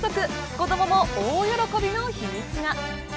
子どもも大喜びの秘密が。